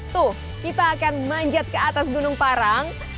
tuh kita akan manjat ke atas gunung parang